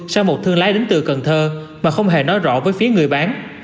sau một thương lái đến từ cần thơ mà không hề nói rõ với phía người bán